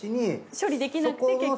処理できなくて結局。